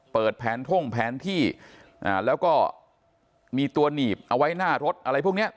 เปิดแผนท่งแผนที่แล้วก็มีตัวหนีบเอาไว้หน้ารถอะไรพวกเนี้ย